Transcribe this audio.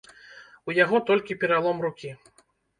У яго толькі пералом рукі.